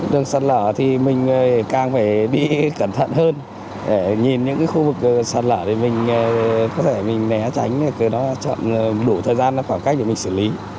đường sạt lở thì mình càng phải đi cẩn thận hơn để nhìn những khu vực sạt lở để mình có thể mình né tránh để nó chọn đủ thời gian và khoảng cách để mình xử lý